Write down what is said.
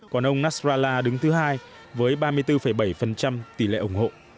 còn ông nasrallah đứng thứ hai với ba mươi bốn bảy tỷ lệ ủng hộ